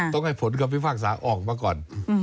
ต้องให้ผลความพิภาคสาห์ออกมาก่อน